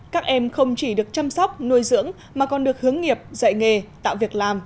các em không chỉ được chăm sóc nuôi dưỡng mà còn được hướng nghiệp dạy nghề tạo việc làm